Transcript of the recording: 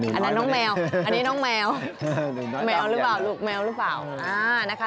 เดี๋ยวนิ้วน้อยมานี่อันนี้น้องแมวลูกแมวหรือเปล่านะคะ